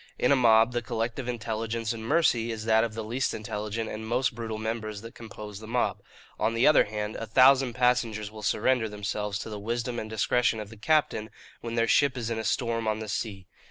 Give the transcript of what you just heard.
In a mob the collective intelligence and mercy is that of the least intelligent and most brutal members that compose the mob. On the other hand, a thousand passengers will surrender themselves to the wisdom and discretion of the captain, when their ship is in a storm on the sea.